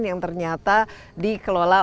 yang ternyata dikelola